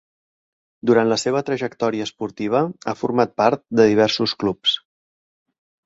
Durant la seva trajectòria esportiva ha format part de diversos clubs.